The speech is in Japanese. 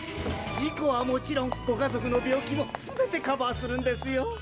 事故はもちろんご家族の病気も全てカバーするんですよ。